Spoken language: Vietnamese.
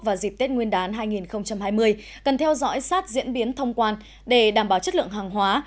và dịp tết nguyên đán hai nghìn hai mươi cần theo dõi sát diễn biến thông quan để đảm bảo chất lượng hàng hóa